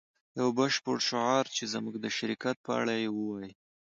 یو بشپړ شعار چې زموږ د شرکت په اړه ووایی